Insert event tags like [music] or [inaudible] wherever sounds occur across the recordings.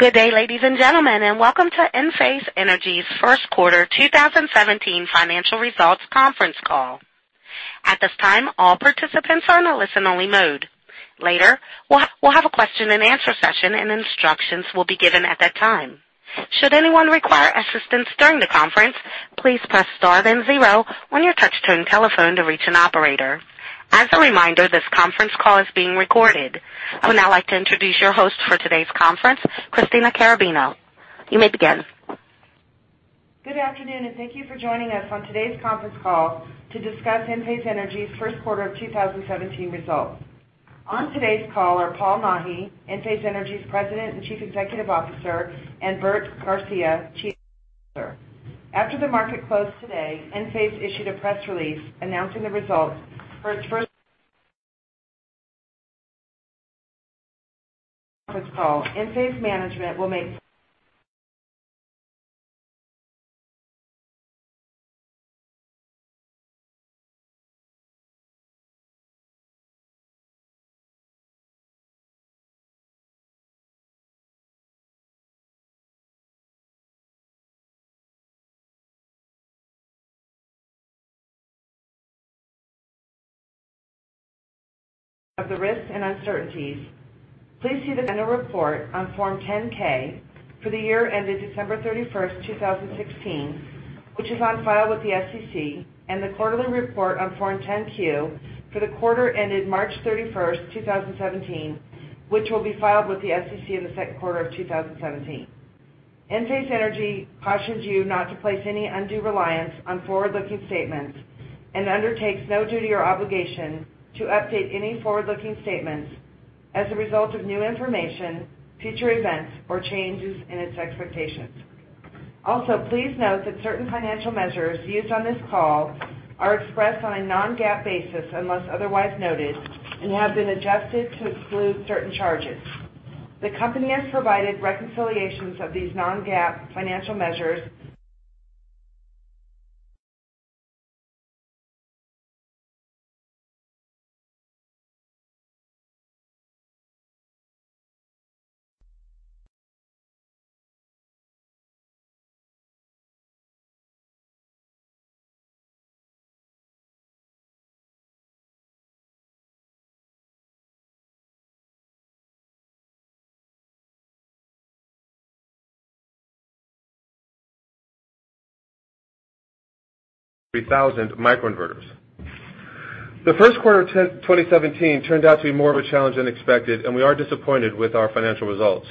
Good day, ladies and gentlemen, and welcome to Enphase Energy's first quarter 2017 financial results conference call. At this time, all participants are in a listen-only mode. Later, we'll have a question and answer session and instructions will be given at that time. Should anyone require assistance during the conference, please press star then zero on your touch-tone telephone to reach an operator. As a reminder, this conference call is being recorded. I would now like to introduce your host for today's conference, Christina Carrabino. You may begin. Good afternoon. Thank you for joining us on today's conference call to discuss Enphase Energy's first quarter of 2017 results. On today's call are Paul Nahi, Enphase Energy's President and Chief Executive Officer, and Bert Garcia, Chief Financial Officer. After the market closed today, Enphase issued a press release announcing the results for its first conference call. Enphase management will make of the risks and uncertainties. Please see the annual report on Form 10-K for the year ended December 31st, 2016, which is on file with the SEC, and the quarterly report on Form 10-Q for the quarter ended March 31st, 2017, which will be filed with the SEC in the second quarter of 2017. Enphase Energy cautions you not to place any undue reliance on forward-looking statements and undertakes no duty or obligation to update any forward-looking statements as a result of new information, future events, or changes in its expectations. Also, please note that certain financial measures used on this call are expressed on a non-GAAP basis unless otherwise noted and have been adjusted to exclude certain charges. The company has provided reconciliations of these non-GAAP financial measures. [inaudible] The first quarter of 2017 turned out to be more of a challenge than expected. We are disappointed with our financial results.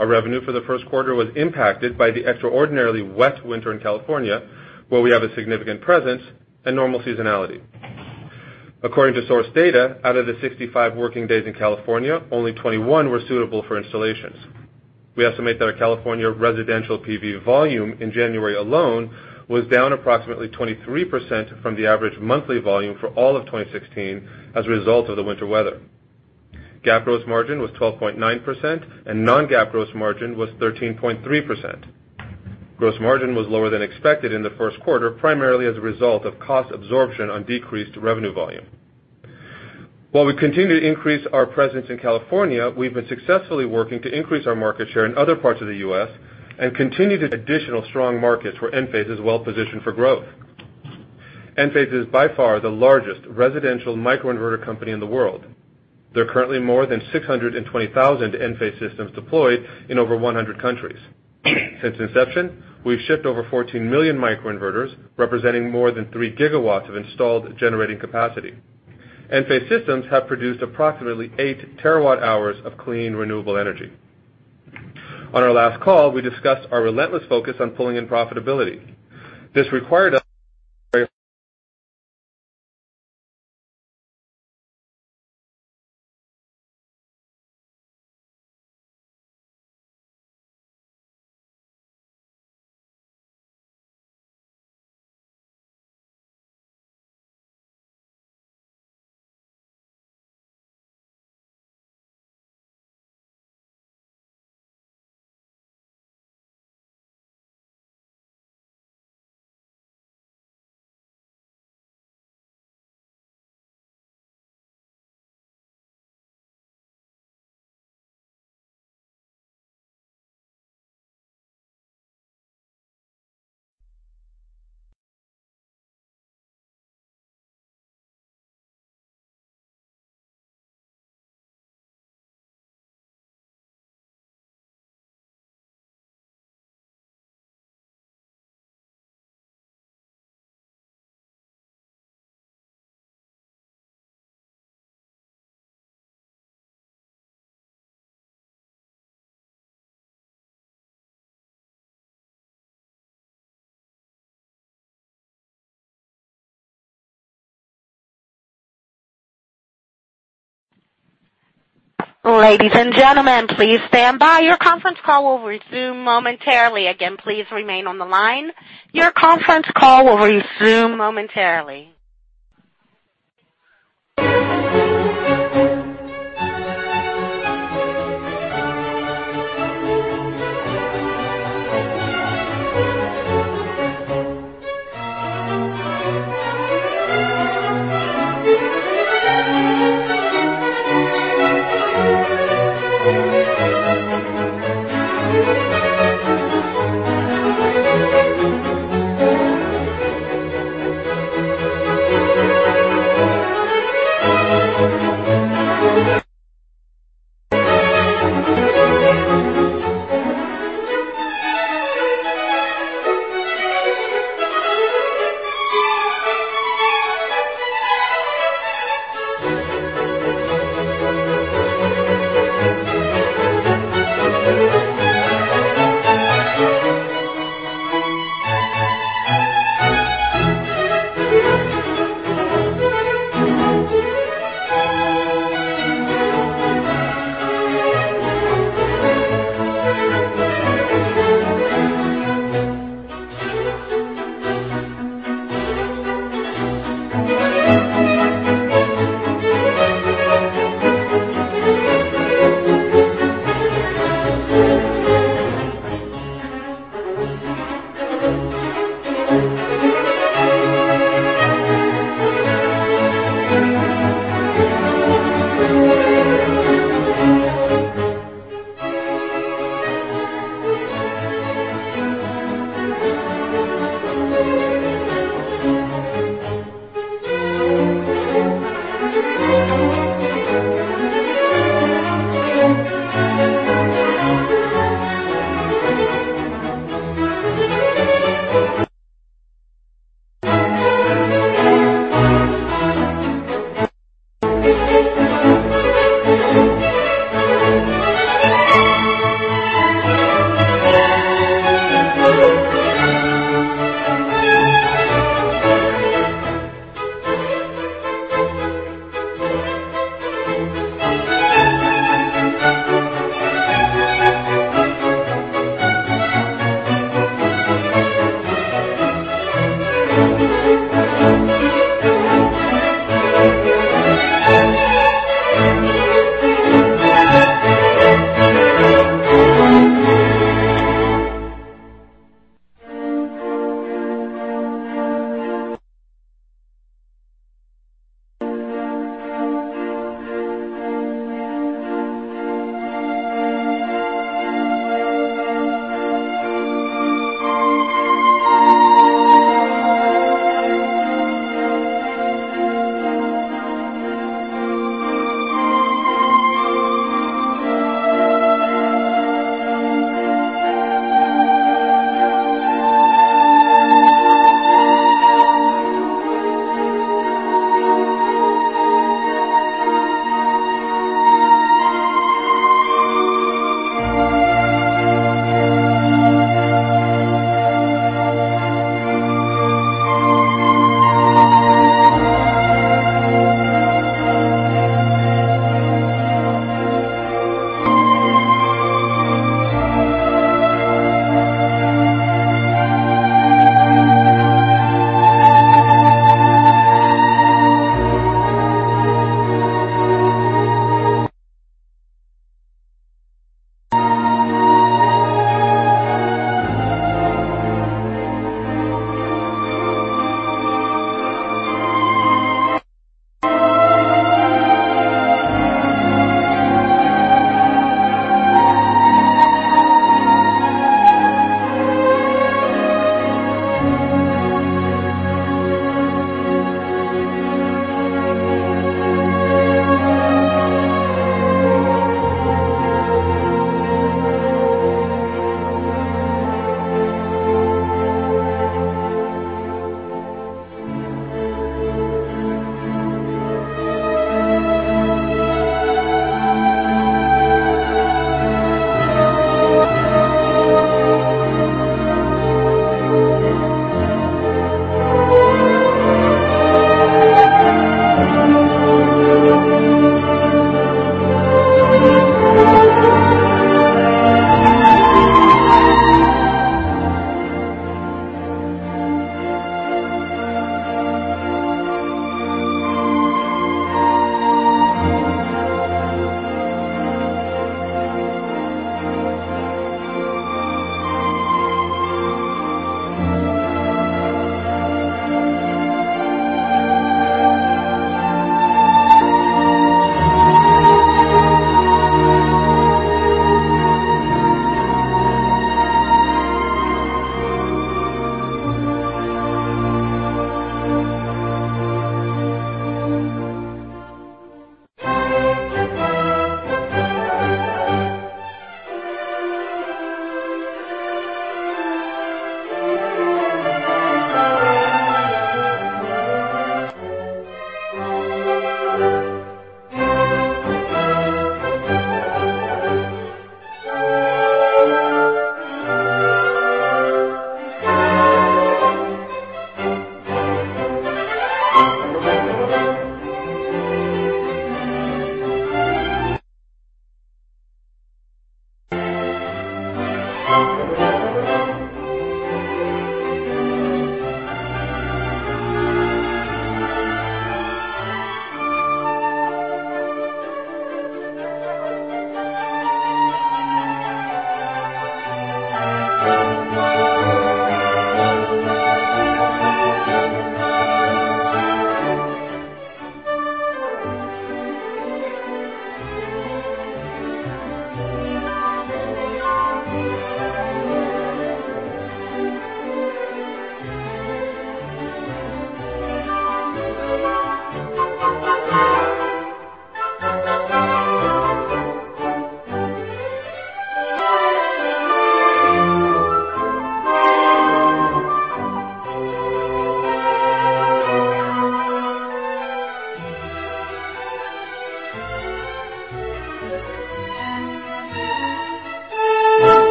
Our revenue for the first quarter was impacted by the extraordinarily wet winter in California, where we have a significant presence, and normal seasonality. According to source data, out of the 65 working days in California, only 21 were suitable for installations. We estimate that our California residential PV volume in January alone was down approximately 23% from the average monthly volume for all of 2016 as a result of the winter weather. GAAP gross margin was 12.9%. Non-GAAP gross margin was 13.3%. Gross margin was lower than expected in the first quarter, primarily as a result of cost absorption on decreased revenue volume. While we continue to increase our presence in California, we've been successfully working to increase our market share in other parts of the U.S. and continue to additional strong markets where Enphase is well-positioned for growth. Enphase is by far the largest residential microinverter company in the world. There are currently more than 620,000 Enphase systems deployed in over 100 countries. Since inception, we've shipped over 14 million microinverters, representing more than 3 gigawatts of installed generating capacity. Enphase systems have produced approximately eight terawatt-hours of clean, renewable energy. On our last call, we discussed our relentless focus on pulling in profitability. This required us Ladies and gentlemen, please stand by. Your conference call will resume momentarily. Again, please remain on the line. Your conference call will resume momentarily.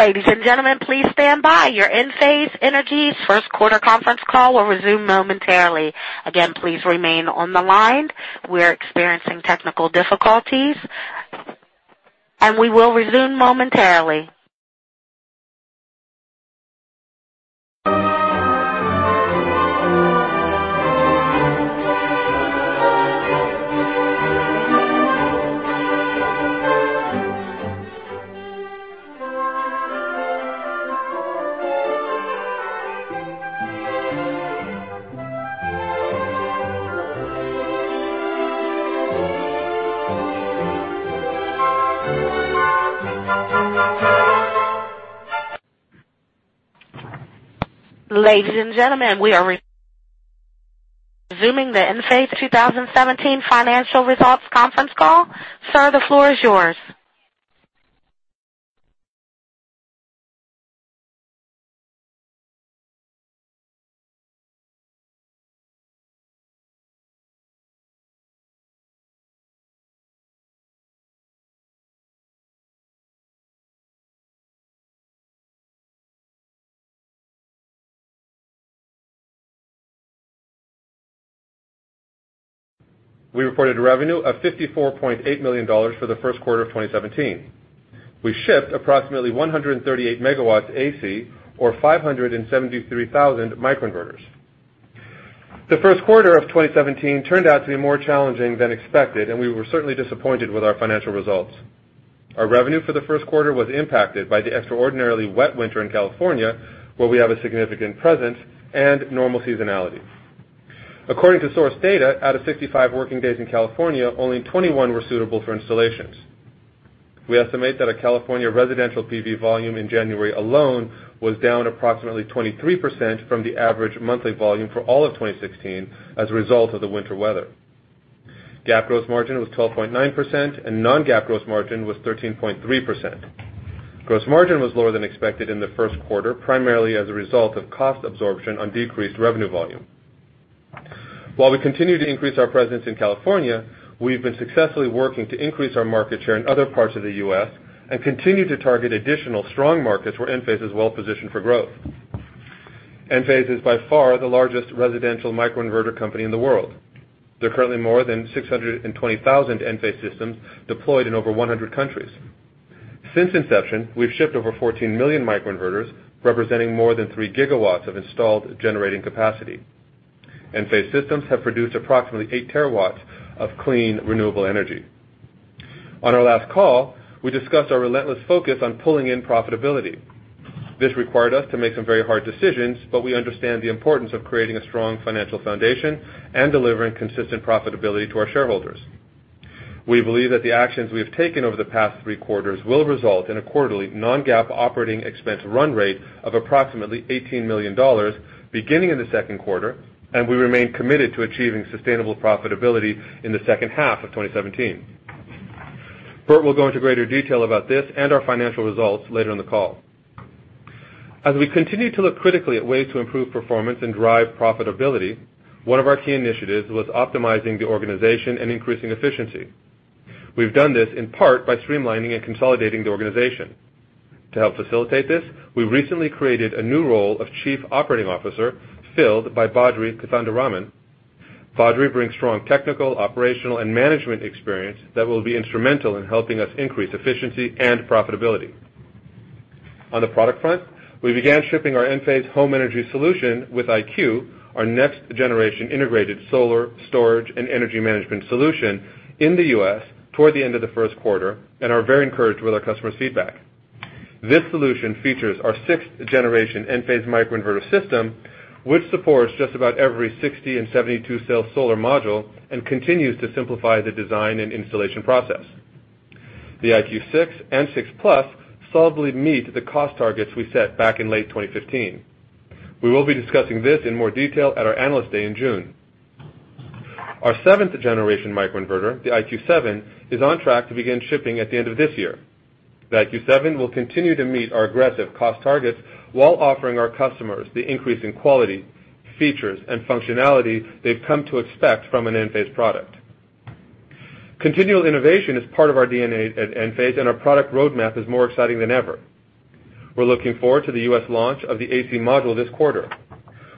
Ladies and gentlemen, please stand by. Your Enphase Energy's first quarter conference call will resume momentarily. Again, please remain on the line. We're experiencing technical difficulties, and we will resume momentarily. Ladies and gentlemen, we are resuming the Enphase 2017 financial results conference call. Sir, the floor is yours. We reported a revenue of $54.8 million for the first quarter of 2017. We shipped approximately 138 megawatts AC or 573,000 microinverters. The first quarter of 2017 turned out to be more challenging than expected, and we were certainly disappointed with our financial results. Our revenue for the first quarter was impacted by the extraordinarily wet winter in California, where we have a significant presence, and normal seasonality. According to source data, out of 65 working days in California, only 21 were suitable for installations. We estimate that a California residential PV volume in January alone was down approximately 23% from the average monthly volume for all of 2016 as a result of the winter weather. GAAP gross margin was 12.9%, and non-GAAP gross margin was 13.3%. Gross margin was lower than expected in the first quarter, primarily as a result of cost absorption on decreased revenue volume. While we continue to increase our presence in California, we've been successfully working to increase our market share in other parts of the U.S. and continue to target additional strong markets where Enphase is well-positioned for growth. Enphase is by far the largest residential microinverter company in the world. There are currently more than 620,000 Enphase systems deployed in over 100 countries. Since inception, we've shipped over 14 million microinverters, representing more than 3 gigawatts of installed generating capacity. Enphase systems have produced approximately eight terawatts of clean, renewable energy. On our last call, we discussed our relentless focus on pulling in profitability. This required us to make some very hard decisions, but we understand the importance of creating a strong financial foundation and delivering consistent profitability to our shareholders. We believe that the actions we have taken over the past three quarters will result in a quarterly non-GAAP operating expense run rate of approximately $18 million beginning in the second quarter, and we remain committed to achieving sustainable profitability in the second half of 2017. Bert will go into greater detail about this and our financial results later in the call. As we continue to look critically at ways to improve performance and drive profitability, one of our key initiatives was optimizing the organization and increasing efficiency. We've done this in part by streamlining and consolidating the organization. To help facilitate this, we recently created a new role of Chief Operating Officer, filled by Badri Kothandaraman. Badri brings strong technical, operational, and management experience that will be instrumental in helping us increase efficiency and profitability. On the product front, we began shipping our Enphase Home Energy Solution with IQ, our next-generation integrated solar, storage, and energy management solution in the U.S. toward the end of the first quarter and are very encouraged with our customer feedback. This solution features our sixth-generation Enphase microinverter system, which supports just about every 60- and 72-cell solar module and continues to simplify the design and installation process. The IQ 6 and IQ 6+ solidly meet the cost targets we set back in late 2015. We will be discussing this in more detail at our Analyst Day in June. Our seventh-generation microinverter, the IQ 7, is on track to begin shipping at the end of this year. The IQ 7 will continue to meet our aggressive cost targets while offering our customers the increase in quality, features, and functionality they've come to expect from an Enphase product. Continual innovation is part of our DNA at Enphase. Our product roadmap is more exciting than ever. We're looking forward to the U.S. launch of the AC Module this quarter.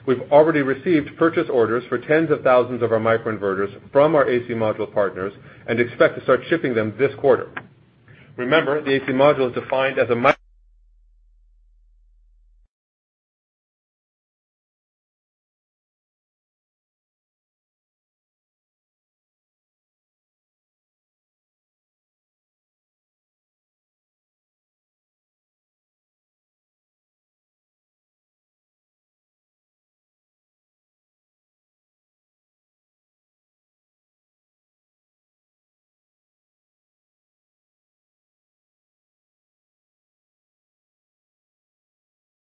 We've already received purchase orders for tens of thousands of our microinverters from our AC Module partners and expect to start shipping them this quarter. Remember, the AC Module is defined as.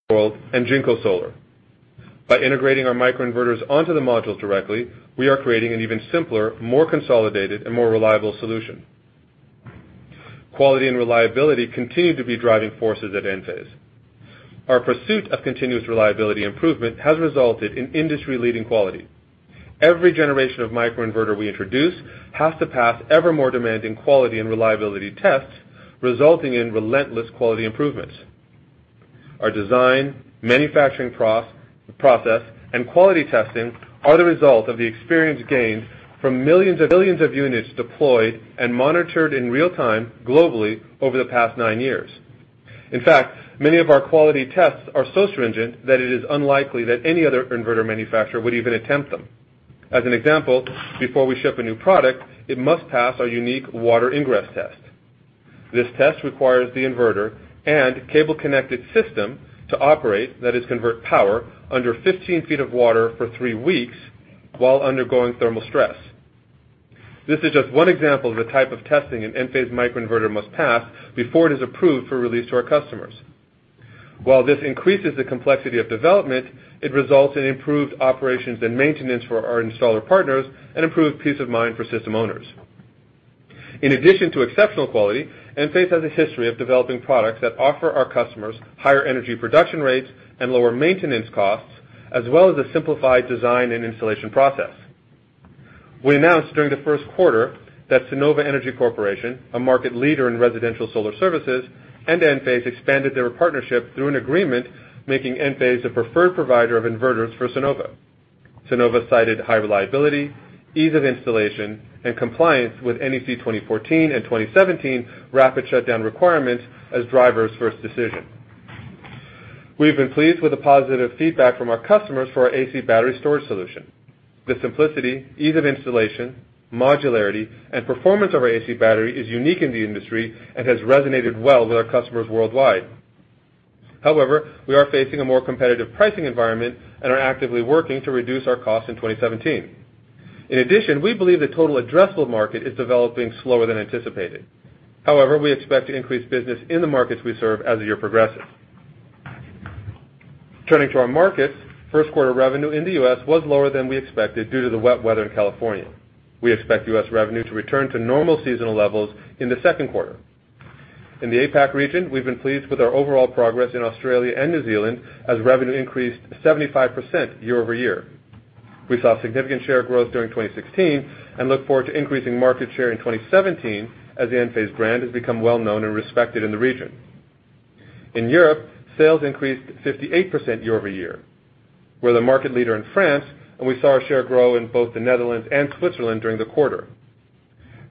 By integrating our microinverters onto the module directly, we are creating an even simpler, more consolidated, and more reliable solution. Quality and reliability continue to be driving forces at Enphase. Our pursuit of continuous reliability improvement has resulted in industry-leading quality. Every generation of microinverter we introduce has to pass ever more demanding quality and reliability tests, resulting in relentless quality improvements. Our design, manufacturing process, and quality testing are the result of the experience gained from millions of units deployed and monitored in real time globally over the past nine years. In fact, many of our quality tests are so stringent that it is unlikely that any other inverter manufacturer would even attempt them. As an example, before we ship a new product, it must pass our unique water ingress test. This test requires the inverter and cable-connected system to operate, that is, convert power, under 15 feet of water for three weeks while undergoing thermal stress. This is just one example of the type of testing an Enphase microinverter must pass before it is approved for release to our customers. While this increases the complexity of development, it results in improved operations and maintenance for our installer partners and improved peace of mind for system owners. In addition to exceptional quality, Enphase Energy has a history of developing products that offer our customers higher energy production rates and lower maintenance costs, as well as a simplified design and installation process. We announced during the first quarter that Sunnova Energy Corporation, a market leader in residential solar services, and Enphase Energy expanded their partnership through an agreement, making Enphase Energy the preferred provider of inverters for Sunnova Energy. Sunnova Energy cited high reliability, ease of installation, and compliance with NEC 2014 and 2017 rapid shutdown requirements as drivers for this decision. We've been pleased with the positive feedback from our customers for our AC Battery storage solution. The simplicity, ease of installation, modularity, and performance of our AC Battery is unique in the industry and has resonated well with our customers worldwide. We are facing a more competitive pricing environment and are actively working to reduce our costs in 2017. We believe the total addressable market is developing slower than anticipated. We expect to increase business in the markets we serve as the year progresses. Turning to our markets, first quarter revenue in the U.S. was lower than we expected due to the wet weather in California. We expect U.S. revenue to return to normal seasonal levels in the second quarter. In the APAC region, we've been pleased with our overall progress in Australia and New Zealand, as revenue increased 75% year-over-year. We saw significant share growth during 2016 and look forward to increasing market share in 2017 as the Enphase Energy brand has become well-known and respected in the region. In Europe, sales increased 58% year-over-year. We're the market leader in France, and we saw our share grow in both the Netherlands and Switzerland during the quarter.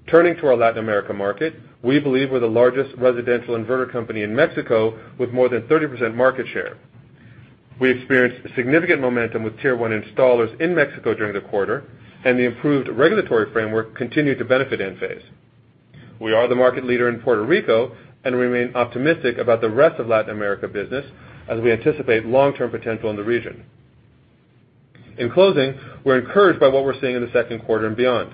Turning to our Latin America market, we believe we're the largest residential inverter company in Mexico, with more than 30% market share. We experienced significant momentum with tier 1 installers in Mexico during the quarter, and the improved regulatory framework continued to benefit Enphase Energy. We are the market leader in Puerto Rico and remain optimistic about the rest of Latin America business as we anticipate long-term potential in the region. In closing, we're encouraged by what we're seeing in the second quarter and beyond.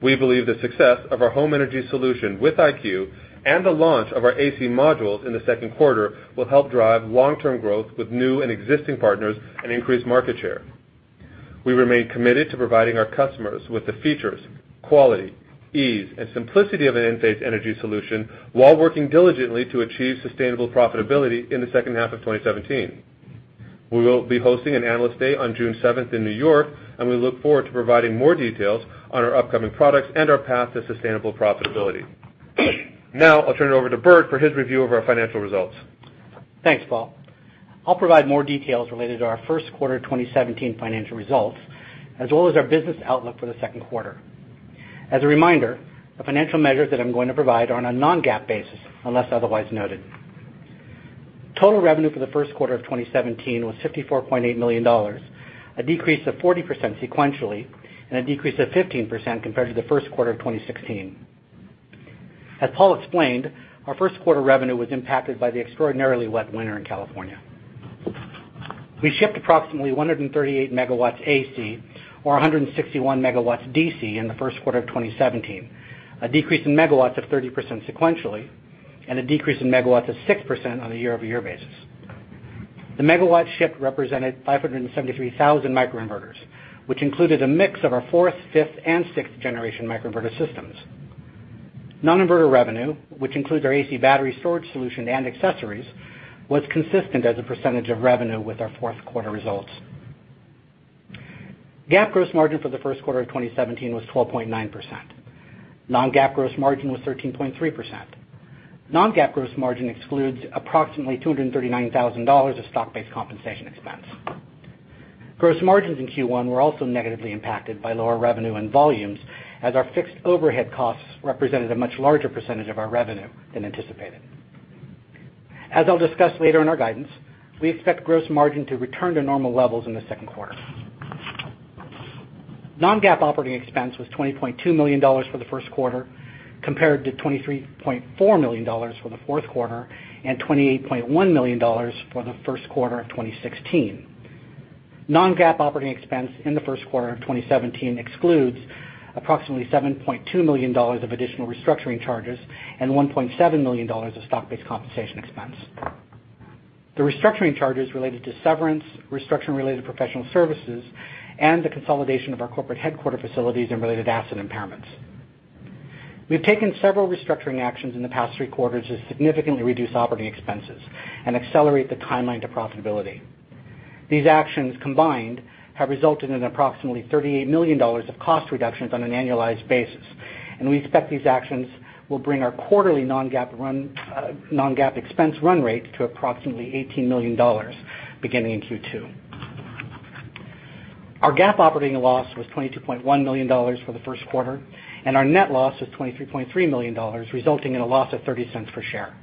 We believe the success of our Enphase Home Energy Solution with IQ and the launch of our AC Modules in the second quarter will help drive long-term growth with new and existing partners and increase market share. We remain committed to providing our customers with the features, quality, ease, and simplicity of an Enphase Energy solution while working diligently to achieve sustainable profitability in the second half of 2017. We will be hosting an Analyst Day on June 7th in New York, and we look forward to providing more details on our upcoming products and our path to sustainable profitability. I'll turn it over to Bert for his review of our financial results. Thanks, Paul. I'll provide more details related to our first quarter 2017 financial results, as well as our business outlook for the second quarter. As a reminder, the financial measures that I'm going to provide are on a non-GAAP basis, unless otherwise noted. Total revenue for the first quarter of 2017 was $54.8 million, a decrease of 40% sequentially and a decrease of 15% compared to the first quarter of 2016. As Paul explained, our first quarter revenue was impacted by the extraordinarily wet winter in California. We shipped approximately 138 megawatts AC or 161 megawatts DC in the first quarter of 2017, a decrease in megawatts of 30% sequentially and a decrease in megawatts of 6% on a year-over-year basis. The megawatt shipped represented 573,000 microinverters, which included a mix of our fourth, fifth, and sixth generation microinverter systems. Non-inverter revenue, which includes our AC Battery storage solution and accessories, was consistent as a percentage of revenue with our fourth quarter results. GAAP gross margin for the first quarter of 2017 was 12.9%. Non-GAAP gross margin was 13.3%. Non-GAAP gross margin excludes approximately $239,000 of stock-based compensation expense. Gross margins in Q1 were also negatively impacted by lower revenue and volumes, as our fixed overhead costs represented a much larger percentage of our revenue than anticipated. As I'll discuss later in our guidance, we expect gross margin to return to normal levels in the second quarter. Non-GAAP operating expense was $20.2 million for the first quarter, compared to $23.4 million for the fourth quarter and $28.1 million for the first quarter of 2016. Non-GAAP operating expense in the first quarter of 2017 excludes approximately $7.2 million of additional restructuring charges and $1.7 million of stock-based compensation expense. The restructuring charges related to severance, restructuring-related professional services, and the consolidation of our corporate headquarter facilities and related asset impairments. We've taken several restructuring actions in the past three quarters to significantly reduce operating expenses and accelerate the timeline to profitability. These actions combined have resulted in approximately $38 million of cost reductions on an annualized basis, and we expect these actions will bring our quarterly non-GAAP expense run rate to approximately $18 million beginning in Q2. Our GAAP operating loss was $22.1 million for the first quarter, and our net loss was $23.3 million, resulting in a loss of $0.30 per share.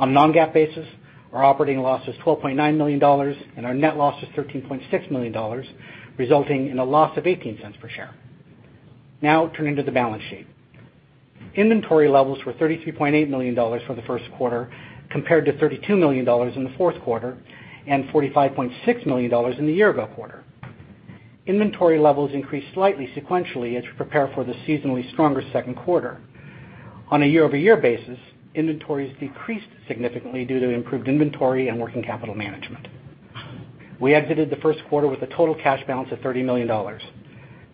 On non-GAAP basis, our operating loss was $12.9 million and our net loss was $13.6 million, resulting in a loss of $0.18 per share. Now turning to the balance sheet. Inventory levels were $33.8 million for the first quarter, compared to $32 million in the fourth quarter and $45.6 million in the year-ago quarter. Inventory levels increased slightly sequentially as we prepare for the seasonally stronger second quarter. On a year-over-year basis, inventories decreased significantly due to improved inventory and working capital management. We exited the first quarter with a total cash balance of $30 million.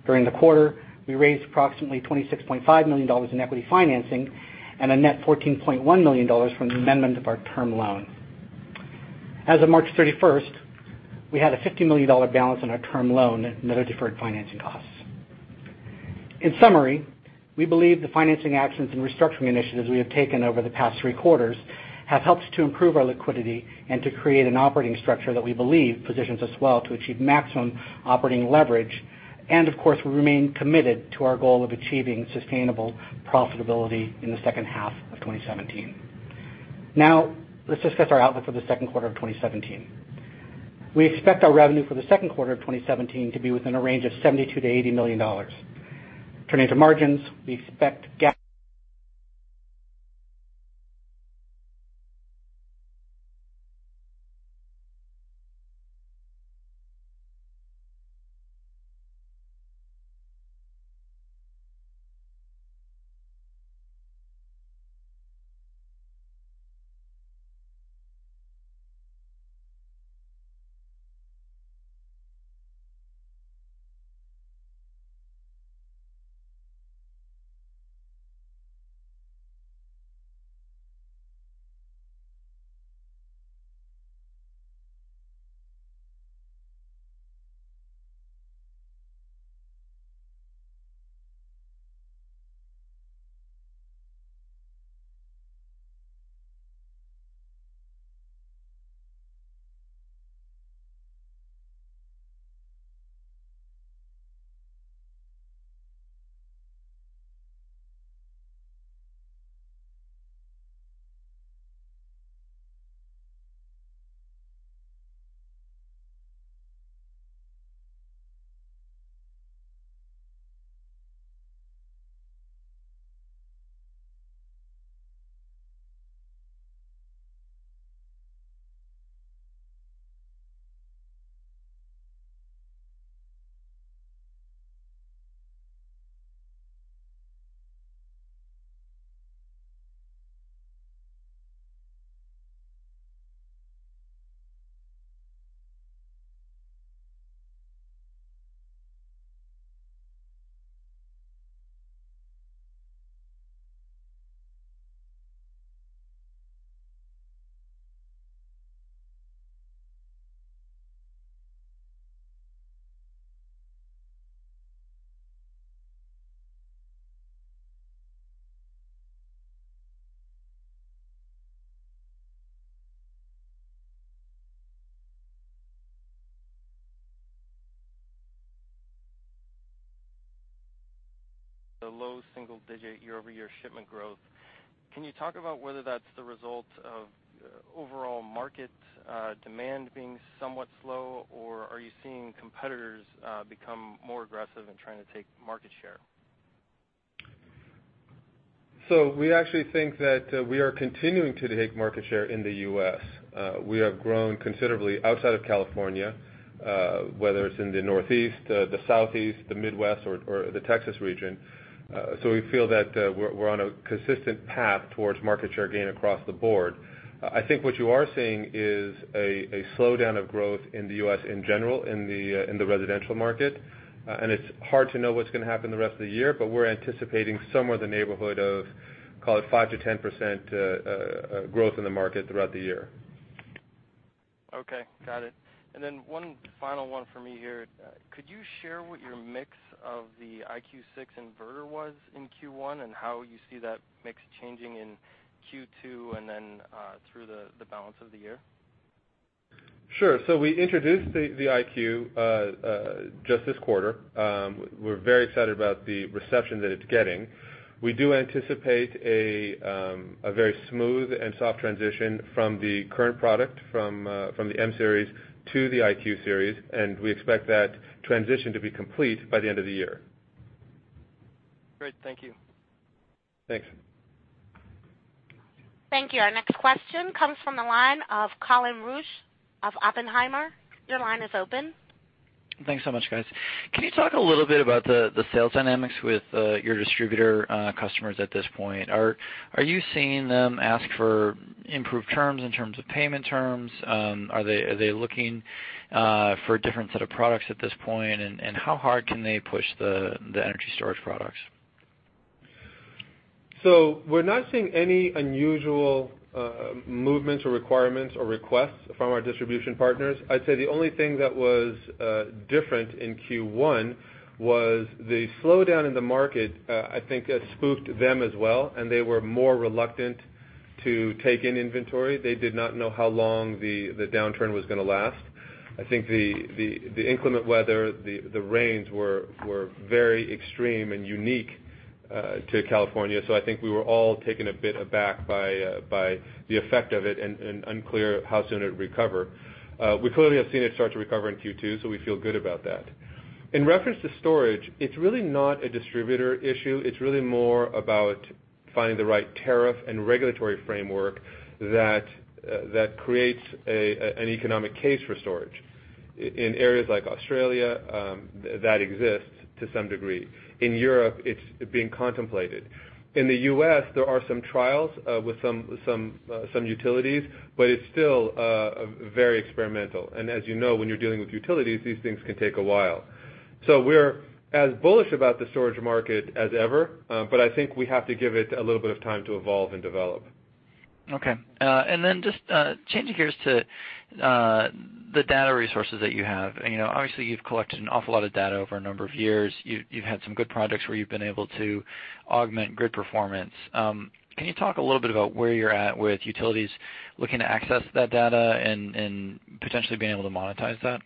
During the quarter, we raised approximately $26.5 million in equity financing and a net $14.1 million from the amendment of our term loan. As of March 31st, we had a $50 million balance on our term loan net of deferred financing costs. In summary, we believe the financing actions and restructuring initiatives we have taken over the past three quarters have helped to improve our liquidity and to create an operating structure that we believe positions us well to achieve maximum operating leverage. Of course, we remain committed to our goal of achieving sustainable profitability in the second half of 2017. Let's discuss our outlook for the second quarter of 2017. We expect our revenue for the second quarter of 2017 to be within a range of $72 million-$80 million. Turning to margins, we expect GAAP. The low single digit year-over-year shipment growth, can you talk about whether that's the result of overall market demand being somewhat slow, or are you seeing competitors become more aggressive in trying to take market share? We actually think that we are continuing to take market share in the U.S. We have grown considerably outside of California, whether it's in the Northeast, the Southeast, the Midwest or the Texas region. We feel that we're on a consistent path towards market share gain across the board. I think what you are seeing is a slowdown of growth in the U.S. in general, in the residential market. It's hard to know what's going to happen the rest of the year, but we're anticipating somewhere in the neighborhood of, call it, 5%-10% growth in the market throughout the year. Okay, got it. One final one for me here. Could you share what your mix of the IQ 6 inverter was in Q1, and how you see that mix changing in Q2, and then through the balance of the year? Sure. We introduced the IQ just this quarter. We're very excited about the reception that it's getting. We do anticipate a very smooth and soft transition from the current product, from the M-Series to the IQ series, and we expect that transition to be complete by the end of the year. Great. Thank you. Thanks. Thank you. Our next question comes from the line of Colin Rusch of Oppenheimer. Your line is open. Thanks so much, guys. Can you talk a little bit about the sales dynamics with your distributor customers at this point? Are you seeing them ask for improved terms in terms of payment terms? Are they looking for a different set of products at this point, and how hard can they push the energy storage products? We're not seeing any unusual movements or requirements or requests from our distribution partners. I'd say the only thing that was different in Q1 was the slowdown in the market, I think, that spooked them as well, and they were more reluctant to take in inventory. They did not know how long the downturn was going to last. I think the inclement weather, the rains were very extreme and unique to California. I think we were all taken a bit aback by the effect of it and unclear how soon it would recover. We clearly have seen it start to recover in Q2, so we feel good about that. In reference to storage, it's really not a distributor issue. It's really more about finding the right tariff and regulatory framework that creates an economic case for storage. In areas like Australia, that exists to some degree. In Europe, it's being contemplated. In the U.S., there are some trials with some utilities, but it's still very experimental. As you know, when you're dealing with utilities, these things can take a while. We're as bullish about the storage market as ever, but I think we have to give it a little bit of time to evolve and develop. Okay. Just changing gears to the data resources that you have. Obviously, you've collected an awful lot of data over a number of years. You've had some good projects where you've been able to augment grid performance. Can you talk a little bit about where you're at with utilities looking to access that data and potentially being able to monetize that?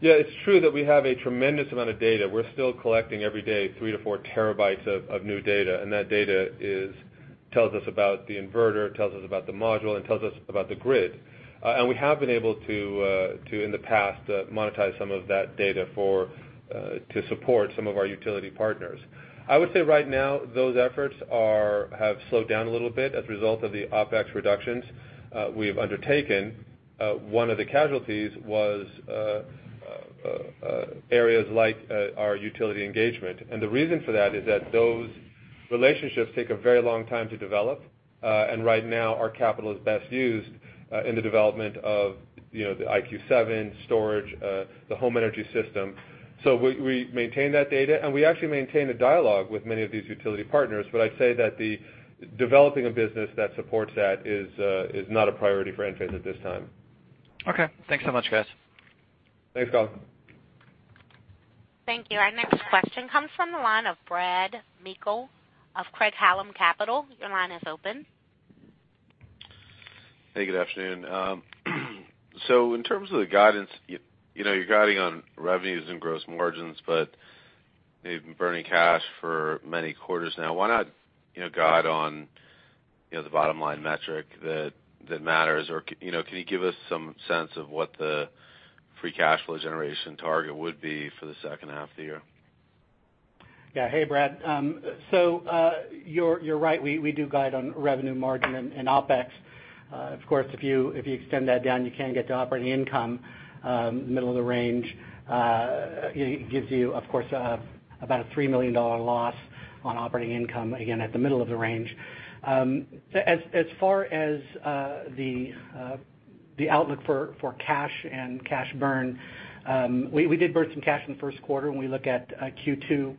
Yeah, it's true that we have a tremendous amount of data. We're still collecting every day three to four terabytes of new data, that data tells us about the inverter, tells us about the module, and tells us about the grid. We have been able to, in the past, monetize some of that data to support some of our utility partners. I would say right now, those efforts have slowed down a little bit as a result of the OpEx reductions we've undertaken. One of the casualties was areas like our utility engagement. The reason for that is that those relationships take a very long time to develop. Right now, our capital is best used in the development of the IQ 7, storage, the home energy system. We maintain that data, we actually maintain a dialogue with many of these utility partners, I'd say that developing a business that supports that is not a priority for Enphase at this time. Okay. Thanks so much, guys. Thanks, Colin. Thank you. Our next question comes from the line of Brad Meikle of Craig-Hallum Capital. Your line is open. Hey, good afternoon. In terms of the guidance, you're guiding on revenues and gross margins, but you've been burning cash for many quarters now. Why not guide on the bottom-line metric that matters? Can you give us some sense of what the free cash flow generation target would be for the second half of the year? Hey, Brad. You're right. We do guide on revenue margin and OpEx. Of course, if you extend that down, you can get to operating income, middle of the range. It gives you, of course, about a $3 million loss on operating income, again, at the middle of the range. As far as the outlook for cash and cash burn, we did burn some cash in the first quarter. When we look at Q2,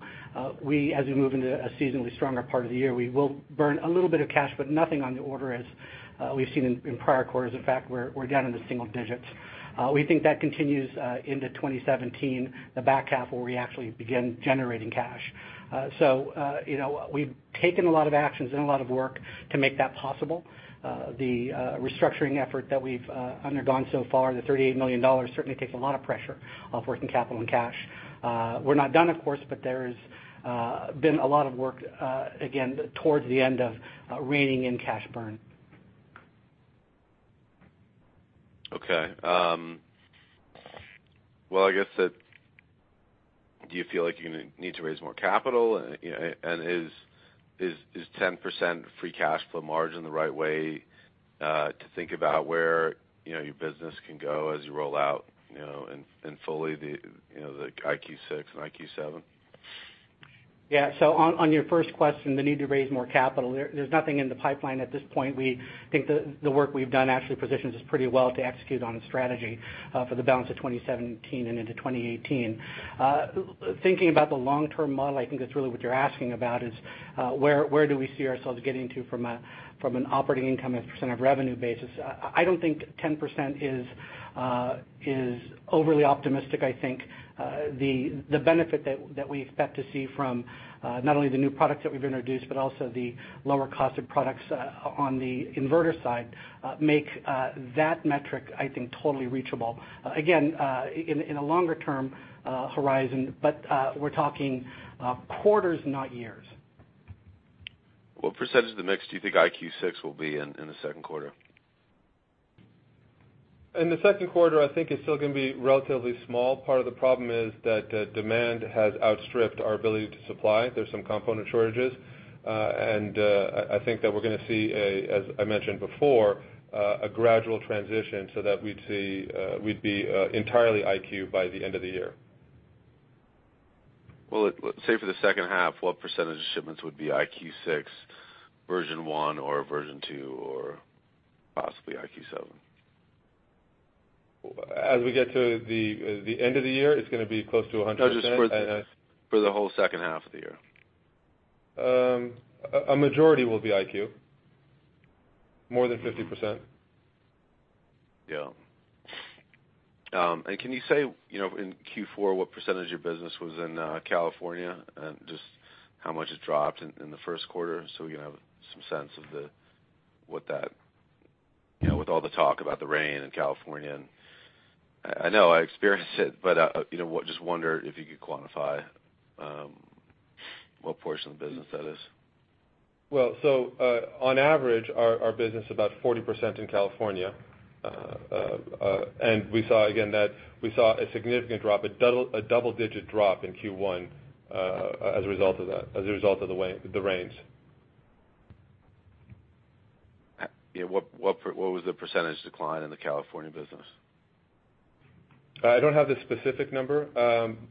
as we move into a seasonally stronger part of the year, we will burn a little bit of cash, but nothing on the order as we've seen in prior quarters. In fact, we're down in the single digits. We think that continues into 2017, the back half, where we actually begin generating cash. We've taken a lot of actions and a lot of work to make that possible. The restructuring effort that we've undergone so far, the $38 million, certainly takes a lot of pressure off working capital and cash. We're not done, of course, but there's been a lot of work, again, towards the end of reining in cash burn. Well, I guess that, do you feel like you're going to need to raise more capital? Is 10% free cash flow margin the right way to think about where your business can go as you roll out and fully the IQ 6 and IQ 7? On your first question, the need to raise more capital, there's nothing in the pipeline at this point. We think the work we've done actually positions us pretty well to execute on the strategy for the balance of 2017 and into 2018. Thinking about the long-term model, I think that's really what you're asking about is, where do we see ourselves getting to from an operating income and percent of revenue basis? I don't think 10% is overly optimistic. I think the benefit that we expect to see from not only the new products that we've introduced, but also the lower cost of products on the inverter side, make that metric, I think, totally reachable. Again, in a longer-term horizon, but we're talking quarters, not years. What percentage of the mix do you think IQ 6 will be in the second quarter? In the second quarter, I think it's still going to be relatively small. Part of the problem is that demand has outstripped our ability to supply. There's some component shortages. I think that we're going to see, as I mentioned before, a gradual transition so that we'd be entirely IQ by the end of the year. Well, say for the second half, what percentage of shipments would be IQ 6 version 1 or version 2, or possibly IQ 7? As we get to the end of the year, it's going to be close to 100%. No, just for the whole second half of the year. A majority will be IQ. More than 50%. Yeah. Can you say, in Q4, what % of your business was in California? Just how much it dropped in the first quarter, so we can have some sense of what that with all the talk about the rain in California. I know, I experienced it, but just wonder if you could quantify what portion of the business that is. Well, on average, our business is about 40% in California. We saw a significant drop, a double-digit drop in Q1 as a result of the rains. What was the percentage decline in the California business? I don't have the specific number.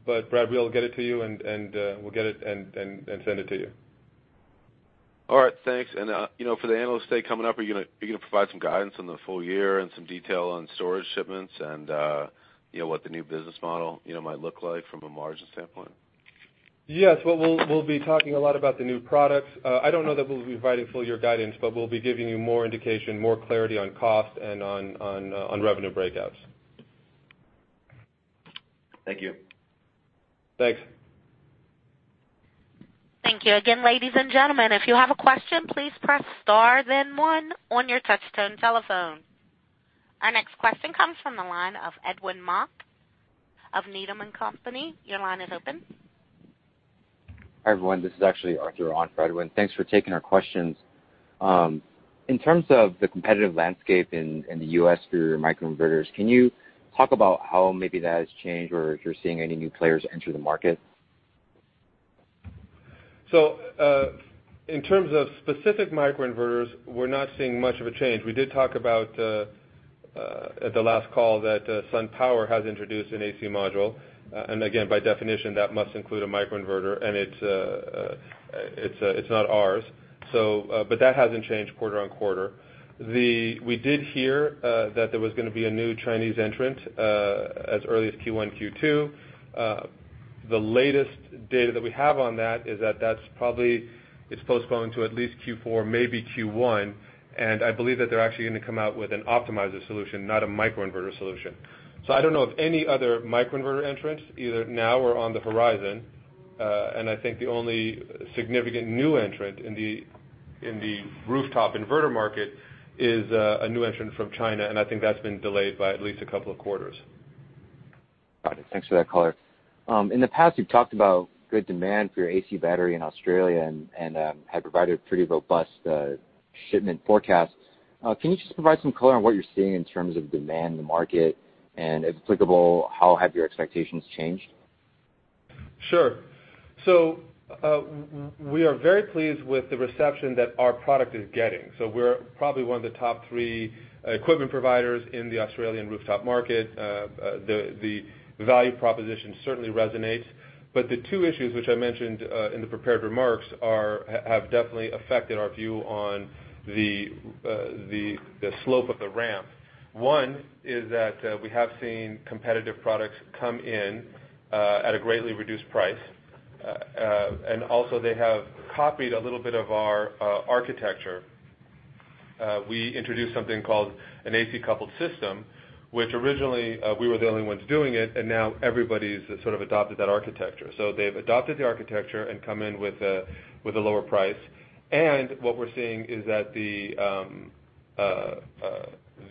Brad, we'll get it to you and send it to you. All right, thanks. For the Analyst Day coming up, are you going to provide some guidance on the full year and some detail on storage shipments and what the new business model might look like from a margin standpoint? Yes, we'll be talking a lot about the new products. I don't know that we'll be providing full-year guidance, but we'll be giving you more indication, more clarity on cost and on revenue breakouts. Thank you. Thanks. Thank you again, ladies and gentlemen, if you have a question, please press star then one on your touch-tone telephone. Our next question comes from the line of Edwin Mok of Needham & Company. Your line is open. Hi, everyone. This is actually Arthur on for Edwin. Thanks for taking our questions. In terms of the competitive landscape in the U.S. for your microinverters, can you talk about how maybe that has changed, or if you're seeing any new players enter the market? In terms of specific microinverters, we're not seeing much of a change. We did talk about, at the last call, that SunPower has introduced an AC Module, and again, by definition, that must include a microinverter, and it's not ours. That hasn't changed quarter-on-quarter. We did hear that there was going to be a new Chinese entrant as early as Q1, Q2. The latest data that we have on that is that's probably postponed to at least Q4, maybe Q1. I believe that they're actually going to come out with an optimizer solution, not a microinverter solution. I don't know of any other microinverter entrants, either now or on the horizon. I think the only significant new entrant in the rooftop inverter market is a new entrant from China, and I think that's been delayed by at least a couple of quarters. Got it. Thanks for that color. In the past, you've talked about good demand for your AC Battery in Australia and have provided pretty robust shipment forecasts. Can you just provide some color on what you're seeing in terms of demand in the market, and if applicable, how have your expectations changed? Sure. We are very pleased with the reception that our product is getting. We're probably one of the top three equipment providers in the Australian rooftop market. The value proposition certainly resonates. The two issues which I mentioned in the prepared remarks have definitely affected our view on the slope of the ramp. One is that we have seen competitive products come in at a greatly reduced price. Also they have copied a little bit of our architecture. We introduced something called an AC coupled system, which originally we were the only ones doing it, and now everybody's sort of adopted that architecture. They've adopted the architecture and come in with a lower price. What we're seeing is that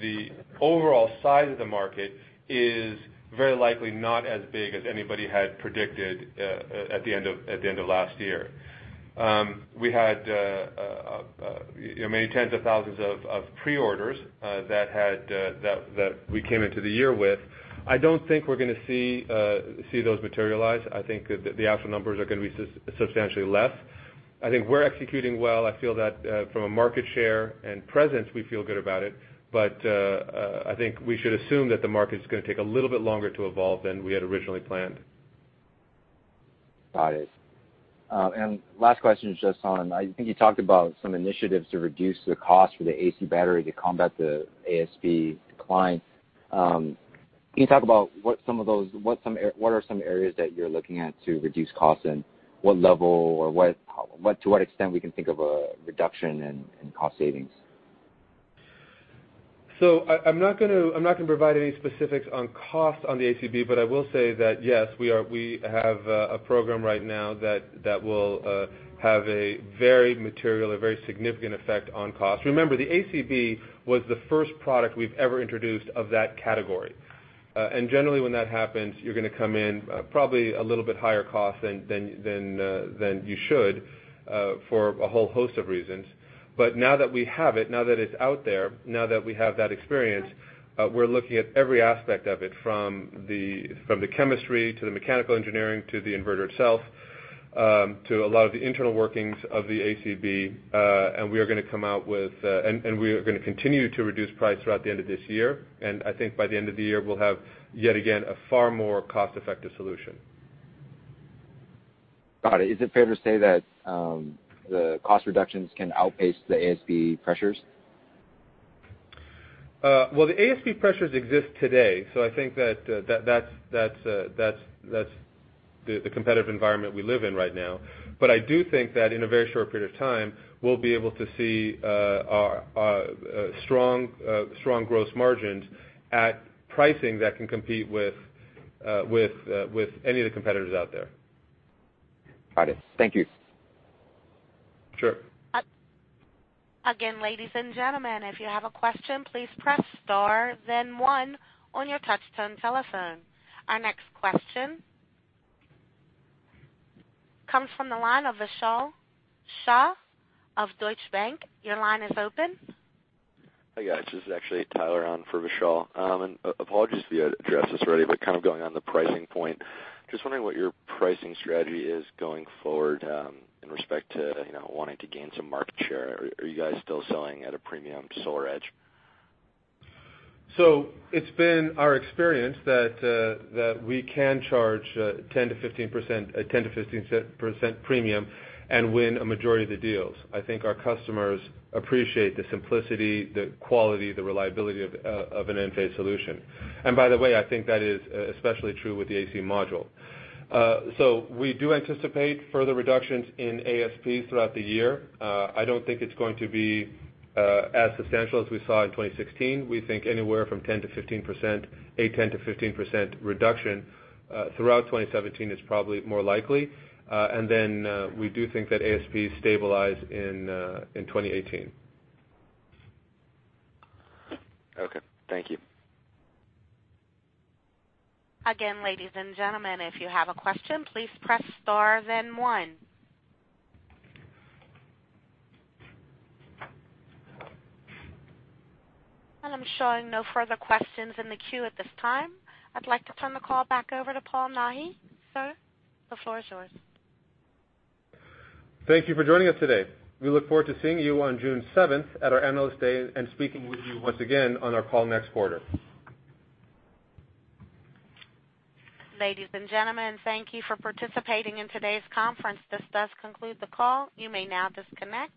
the overall size of the market is very likely not as big as anybody had predicted at the end of last year. We had many tens of thousands of preorders that we came into the year with. I don't think we're going to see those materialize. I think the actual numbers are going to be substantially less. I think we're executing well. I feel that from a market share and presence, we feel good about it. I think we should assume that the market is going to take a little bit longer to evolve than we had originally planned. Got it. Last question is just on, I think you talked about some initiatives to reduce the cost for the AC Battery to combat the ASP decline. Can you talk about what are some areas that you're looking at to reduce costs, and what level or to what extent we can think of a reduction in cost savings? I'm not going to provide any specifics on cost on the ACB, I will say that yes, we have a program right now that will have a very material, a very significant effect on cost. Remember, the ACB was the first product we've ever introduced of that category. Generally, when that happens, you're going to come in probably a little bit higher cost than you should, for a whole host of reasons. Now that we have it, now that it's out there, now that we have that experience, we're looking at every aspect of it, from the chemistry to the mechanical engineering, to the inverter itself, to a lot of the internal workings of the ACB. We are going to continue to reduce price throughout the end of this year. I think by the end of the year, we'll have yet again, a far more cost-effective solution. Got it. Is it fair to say that the cost reductions can outpace the ASP pressures? The ASP pressures exist today, I think that's the competitive environment we live in right now. I do think that in a very short period of time, we'll be able to see strong gross margins at pricing that can compete with any of the competitors out there. Got it. Thank you. Sure. Again, ladies and gentlemen, if you have a question, please press star then one on your touch-tone telephone. Our next question comes from the line of Vishal Shah of Deutsche Bank. Your line is open. Hi, guys. This is actually Tyler on for Vishal. Apologies if you addressed this already, but kind of going on the pricing point. Wondering what your pricing strategy is going forward in respect to wanting to gain some market share. Are you guys still selling at a premium to SolarEdge? It's been our experience that we can charge a 10%-15% premium and win a majority of the deals. I think our customers appreciate the simplicity, the quality, the reliability of an Enphase solution. By the way, I think that is especially true with the AC module. We do anticipate further reductions in ASP throughout the year. I don't think it's going to be as substantial as we saw in 2016. We think anywhere from 10%-15% reduction throughout 2017 is probably more likely. Then we do think that ASP stabilize in 2018. Okay. Thank you. Again, ladies and gentlemen, if you have a question, please press star then one. I'm showing no further questions in the queue at this time. I'd like to turn the call back over to Paul Nahi. Sir, the floor is yours. Thank you for joining us today. We look forward to seeing you on June 7th at our Analyst Day and speaking with you once again on our call next quarter. Ladies and gentlemen, thank you for participating in today's conference. This does conclude the call. You may now disconnect.